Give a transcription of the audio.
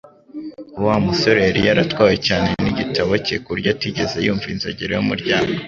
Wa musore yari yaratwawe cyane nigitabo cye kuburyo atigeze yumva inzogera yumuryango